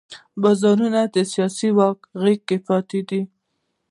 بارونیانو د سیاسي واک اغېزې پاتې شوې.